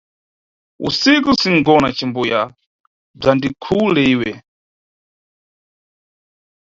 Usiku sinʼgona, cimbuya bzandikhule iwe.